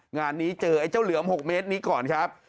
งานนี้เจอไอ้เจ้าเหลือม๖เมตรนี้ก่อนครับ